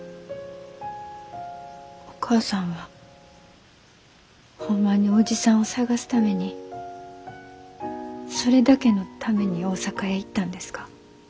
お母さんはホンマに伯父さんを捜すためにそれだけのために大阪へ行ったんですか？